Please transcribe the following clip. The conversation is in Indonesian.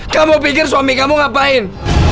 kamu pikir suami kamu ngapain